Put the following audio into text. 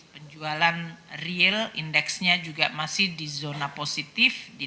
penjualan real indexnya juga masih di zona positif di tiga lima